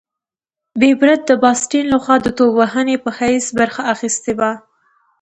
بېب رت د باسټن لخوا د توپ وهونکي په حیث برخه اخیستې وه.